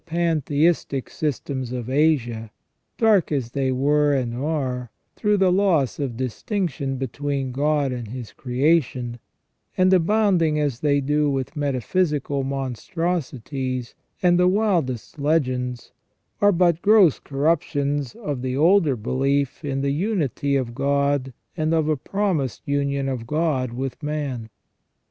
329 pantheistic systems of Asia, dark as they were and are, through the loss of distinction between God and His creation, and abound ing as they do with metaphysical monstrosities and the wildest legends, are but gross corruptions of the older belief in the unity of God and of a promised union of God with man.